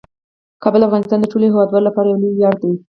کابل د افغانستان د ټولو هیوادوالو لپاره یو لوی ویاړ دی.